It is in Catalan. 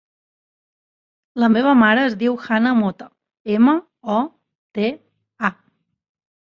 La meva mare es diu Hanna Mota: ema, o, te, a.